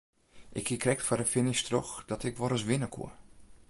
Ik hie krekt foar de finish troch dat ik wol ris winne koe.